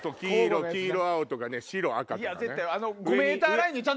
黄色青とか白赤とか。